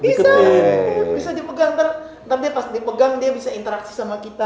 bisa bisa dipegang tapi pas dipegang dia bisa interaksi sama kita